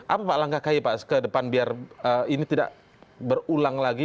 apa pak langkah ki pak ke depan biar ini tidak berulang lagi